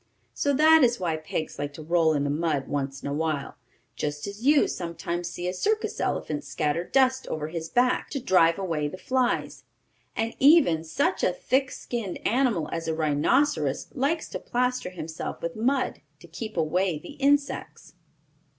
So that is why pigs like to roll in the mud once in awhile, just as you sometimes see a circus elephant scatter dust over his back, to drive away the flies. And even such a thick skinned animal as a rhinoceros likes to plaster himself with mud to keep away the insects.